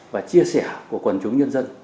và chia sẻ của quần chúng nhân dân